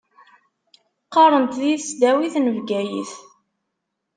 Qqaṛent di tesdawit n Bgayet.